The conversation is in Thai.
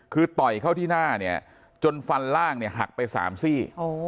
คือต่อยเข้าที่หน้าเนี่ยจนฟันล่างเนี่ยหักไป๓ซี่